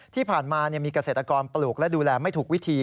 ที่ผ่านมามีเกษตรกรปลูกและดูแลไม่ถูกวิธี